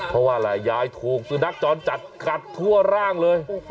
เพราะว่าอะไรยายถูกสุนัขจรจัดกัดทั่วร่างเลย